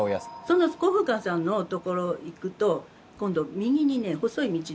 そのコウフウカンさんの所を行くと今度右にね細い道で。